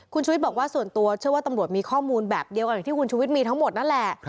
คุณชุวิตบอกว่าส่วนตัวเชื่อว่าตำรวจมีข้อมูลแบบเดียวกันอย่างที่คุณชุวิตมีทั้งหมดนั่นแหละ